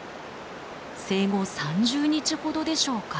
生後３０日ほどでしょうか。